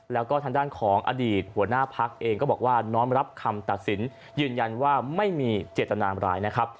แล้วก็ทางด้านของอดีตหัวหน้าพักเองก็บอกว่าน้อมรับคำตัดสินยืนยันว่าไม่มีเจตนามร้ายนะครับ